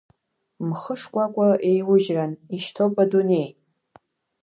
Мхы шкәакәа еиужьран ишьҭоуп адунеи.